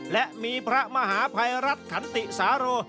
และมีพระมหาภัยรัฐขันติสาโร